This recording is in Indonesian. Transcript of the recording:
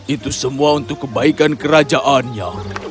itu semua untuk kebaikan kerajaannya